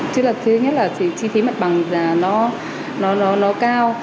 thứ nhất là chi phí mặt bằng nó cao